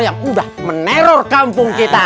yang udah meneror kampung kita